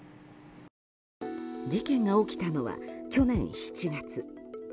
事件が起きたのは去年７月。